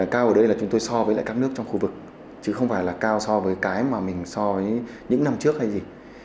cao ở đây là chúng tôi so với lại các nước trong khu vực chứ không phải là cao so với cái mà mình so với những năm trước hay gì